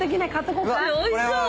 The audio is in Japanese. これおいしそう。